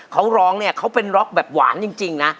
เขาร้องเนี่ยเขาเป็นร็อกแบบหวานจริงนะ